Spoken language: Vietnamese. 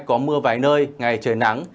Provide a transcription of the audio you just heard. có mưa vài nơi ngày trời nắng